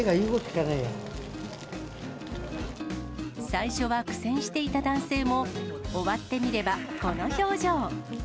最初は苦戦していた男性も、終わってみれば、この表情。